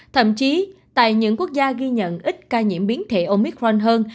thậm chí tại những quốc gia ghi nhận ít ca nhiễm biến thể omicron hơn